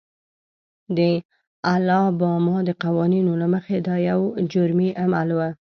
د الاباما د قوانینو له مخې دا یو جرمي عمل و.